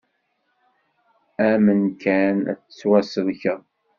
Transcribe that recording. Amen kan, ad tettwasellkeḍ.